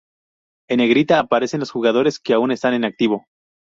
En negrita aparecen los jugadores que aún están en activo.